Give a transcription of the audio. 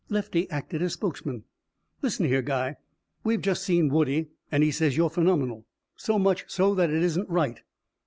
Lefty acted as spokesman. "Listen here, guy, we've just seen Woodie and he says you're phenomenal so much so that it isn't right."